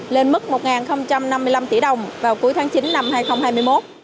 lên mức một năm mươi năm tỷ đồng vào cuối tháng chín năm hai nghìn hai mươi một